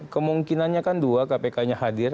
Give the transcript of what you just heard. kemungkinannya kan dua kpknya hadir